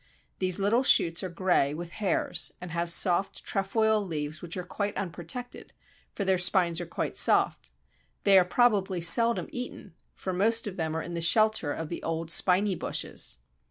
These little shoots are grey with hairs and have soft trefoil leaves which are quite unprotected, for their spines are quite soft. They are probably seldom eaten, for most of them are in the shelter of the old spiny bushes.